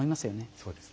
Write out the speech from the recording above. そうですね。